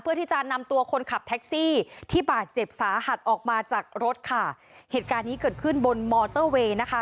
เพื่อที่จะนำตัวคนขับแท็กซี่ที่บาดเจ็บสาหัสออกมาจากรถค่ะเหตุการณ์นี้เกิดขึ้นบนมอเตอร์เวย์นะคะ